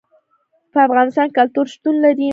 په افغانستان کې کلتور شتون لري.